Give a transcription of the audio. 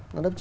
nó lớp chín